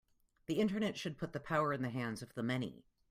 The Internet should put the power in the hands of the many.